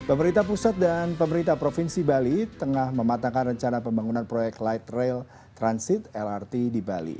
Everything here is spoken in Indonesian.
pemerintah pusat dan pemerintah provinsi bali tengah mematangkan rencana pembangunan proyek light rail transit lrt di bali